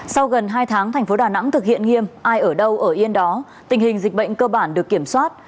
sau gần hai tháng thành phố đà nẵng thực hiện nghiêm ai ở đâu ở yên đó tình hình dịch bệnh cơ bản được kiểm soát